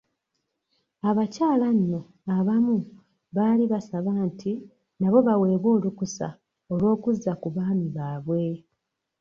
Abakyala nno abamu baali basaba nti nabo baweebwe olukusa olw'okuzza ku abaami baabwe.